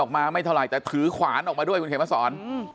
ไม่เท่าไหร่แต่ถือขวานออกมาด้วยคุณเขียนมาสอน